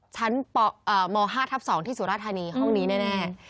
ชั้นม๕ทับ๒ที่สุราธานีห้องนี้แน่